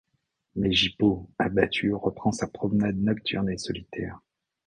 Mais Gypo, abattu, reprend sa promenade nocturne et solitaire.